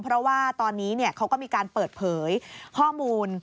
เพราะว่าตอนนี้เขาก็มีการเปิดเผยข้อมูล